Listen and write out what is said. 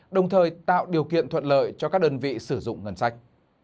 đồng thời tạo điều kiện thuận lợi cho các đơn vị sử dụng ngân sách